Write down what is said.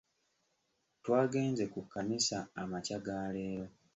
twagenze ku kkanisa amakya ga leero.